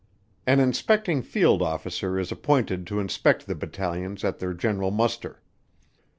An Inspecting Field Officer is appointed to inspect the battalions at their general muster.